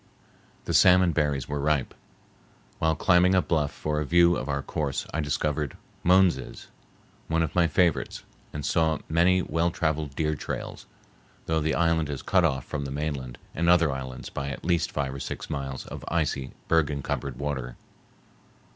The salmon berries were ripe. While climbing a bluff for a view of our course, I discovered moneses, one of my favorites, and saw many well traveled deer trails, though the island is cut off from the mainland and other islands by at least five or six miles of icy, berg encumbered water.